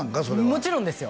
もちろんですよ